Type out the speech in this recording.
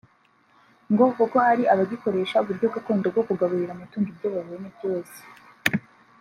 ngo kuko hari abagikoresha uburyo gakondo bwo kugaburira amatungo ibyo babonye byose